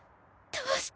どうして！